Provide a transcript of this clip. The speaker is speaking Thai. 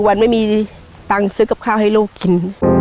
วันไม่มีตังค์ซื้อกับข้าวให้ลูกกิน